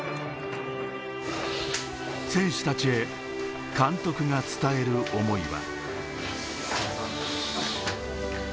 選手たちへ監督が伝える思いは。